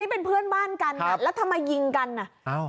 เป็นเพื่อนบ้านกันแล้วทำไมยิงกันอ่ะ